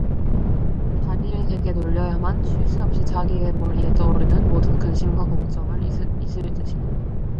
다리를 재게 놀려야만 쉴새없이 자기의 머리에 떠오르는 모든 근심과 걱정을 잊을 듯이.